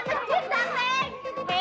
dia itu bodyguard baru gue